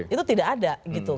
itu tidak ada